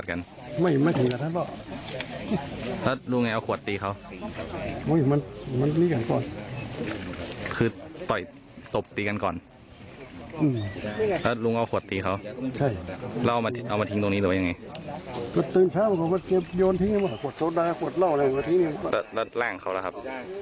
ก็นักข่าวของเราก็พยายามถามนะครับ